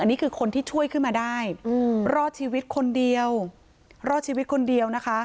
อันนี้คือคนที่ช่วยขึ้นมาได้รอดชีวิตคนเดียว